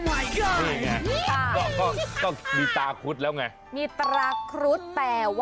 อันนั้นจดหมายส่วนตัว